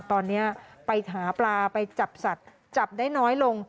ตอนนี้ไปหาปลาไปจับสัตว์จับได้น้อยลง